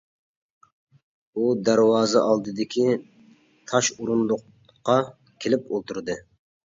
ئۇ دەرۋازا ئالدىدىكى تاش ئورۇندۇققا كېلىپ ئولتۇردى.